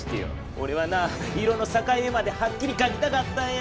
おれはな色の境目まではっきりかきたかったんや。